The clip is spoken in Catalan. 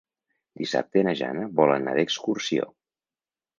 Dissabte na Jana vol anar d'excursió.